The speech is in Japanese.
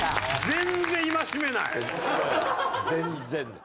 全然。